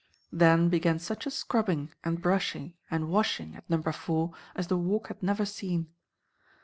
Then began such a scrubbing and brushing and washing at Number Four as the Walk had never seen.